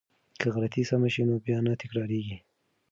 که غلطی سمه شي نو بیا نه تکراریږي.